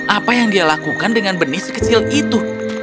apa yang dia lakukan dengan benih sekecil itu